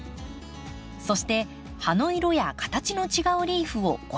そして葉の色や形の違うリーフを５種類。